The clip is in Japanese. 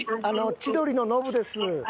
千鳥のノブです。